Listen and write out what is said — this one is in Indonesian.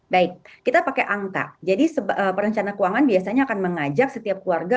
baik kita pakai angka jadi perencana keuangan biasanya akan mengajak setiap keluarga